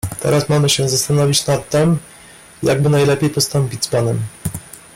"Teraz mamy się zastanowić nad tem, jakby najlepiej postąpić z panem."